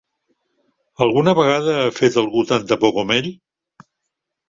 Alguna vegada ha fet algú tanta por com ell?